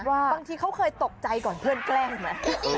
บางทีเขาเคยตกใจก่อนเพื่อนแกล้งไหม